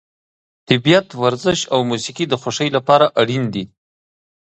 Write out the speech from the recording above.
طبیعت، ورزش او موسیقي د خوښۍ لپاره اړین دي.